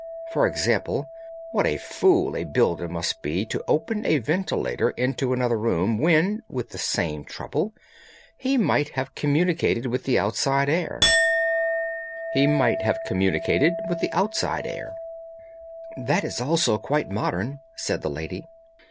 For example, what a fool a builder must be to open a ventilator into another room, when, with the same trouble, he might have communicated with the outside air!" "That is also quite modern," said the lady.